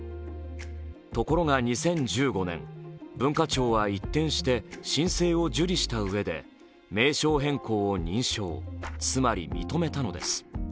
ところが２０１５年、文化庁は一転して申請を受理したうえで名称変更を認証、つまり認めたのです。